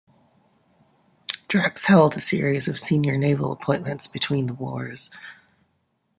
Drax held a series of senior naval appointments between the wars.